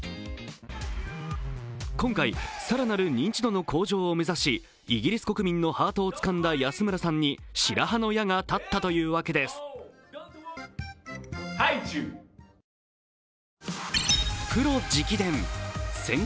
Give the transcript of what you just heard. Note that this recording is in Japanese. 今回、更なる認知度の向上を目指しイギリス国民のハートをつかんだ安村さんに白羽の矢が立ったというわけです。なんて経験をした人も多いはず。